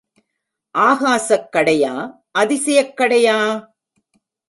ஆகாசக் கடையா அதிசயக் கடையா!